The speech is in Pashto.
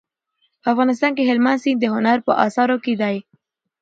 په افغانستان کې هلمند سیند د هنر په اثارو کې دی.